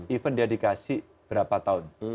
event dedikasi berapa tahun